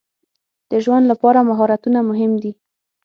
د ژوند لپاره مهارتونه مهم دي.